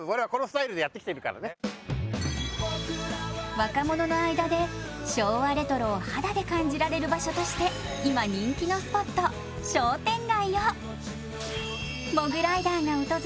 若者の間で昭和レトロを肌で感じられる場所として今人気のスポット、商店街。